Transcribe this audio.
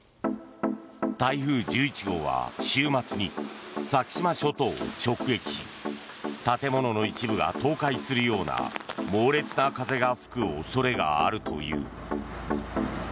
台風１１号は週末に先島諸島を直撃し建物の一部が倒壊するような猛烈な風が吹く恐れがあるという。